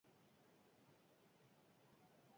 Alegia, subjektuak bigarren pertsonakoa behar du izan.